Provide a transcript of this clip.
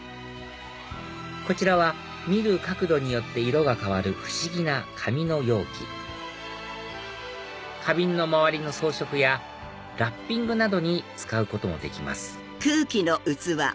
こちらは見る角度によって色が変わる不思議な紙の容器花瓶の周りの装飾やラッピングなどに使うこともできます